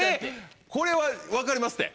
これは分かりますって。